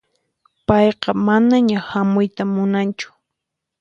Payqa manaña hamuyta munanchu.